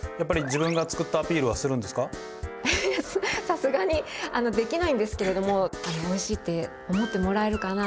さすがにできないんですけれどもおいしいって思ってもらえるかなあと思いながら。